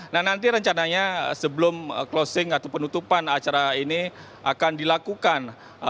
nah nanti rencananya sebelum closing atau penutupan acara ini akan dilakukan